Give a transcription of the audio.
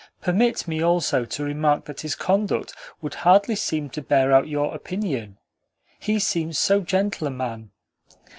Permit me also to remark that his conduct would hardly seem to bear out your opinion he seems so gentle a man."